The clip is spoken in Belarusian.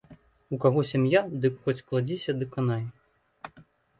У каго сям'я, дык хоць кладзіся ды канай.